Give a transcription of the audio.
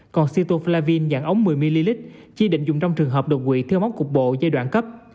còn cetoflavine dạng ống một mươi ml chỉ định dùng trong trường hợp độc quỵ thiếu móc cục bộ giai đoạn cấp